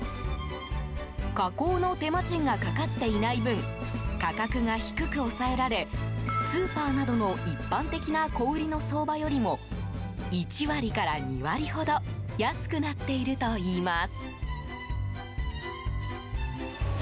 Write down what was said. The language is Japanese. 加工の手間賃がかかっていない分価格が低く抑えられスーパーなどの一般的な小売の相場よりも１割から２割ほど安くなっているといいます。